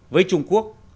với trung quốc